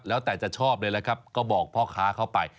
แล้วแต่จะชอบเลยนะครับก็บอกพ่อค้าเข้าไป